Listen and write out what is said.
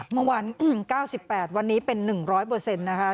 เมื่อวาน๙๘วันนี้เป็น๑๐๐นะคะ